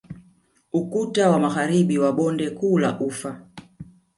Ukuta wa magharibi wa bonde kuu la ufa